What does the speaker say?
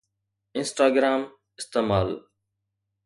Instagram استعمال